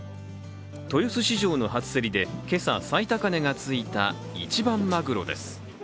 豊洲市場の初競りで今朝、最高値がついた一番まぐろです。